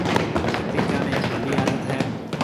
ڀگتِي ڪرڻ هيَڪ ڀلِي عادت هيَ۔